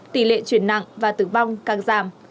tỷ lệ chuyển nặng và tử vong càng giảm